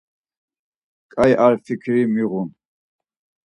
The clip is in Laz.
Ǩai ar fiǩiri miğun.